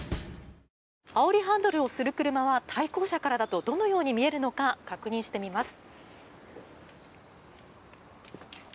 あおりハンドルをする車は対向車からだとどのように見えるのか確認してみます。